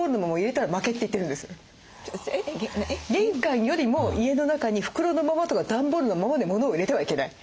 玄関よりも家の中に袋のままとか段ボールのままでモノを入れてはいけない。